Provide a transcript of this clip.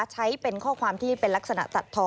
ใช้เป็นข้อความที่เป็นลักษณะตัดทอ